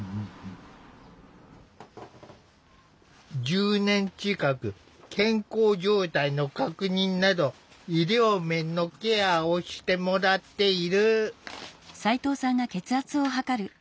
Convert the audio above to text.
１０年近く健康状態の確認など医療面のケアをしてもらっている。